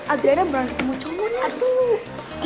adriana berangkat kemau cowoknya tuh